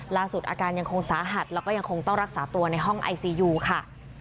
ล่าสุดอาการยังคงสาหัสแล้วก็ยังคงต้องรักษาตัวในห้องไอซียูค่ะ